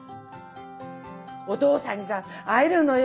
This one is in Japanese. お父さんにさ会えるのよ。